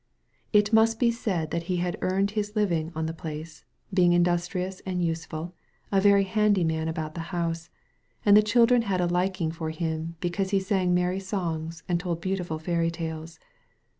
It must be said that he had earned his living on the place, being industrious and useful, a very handy man about the house; and the children had a liking for him because he sang merry songs and told beau tiful fairy tales.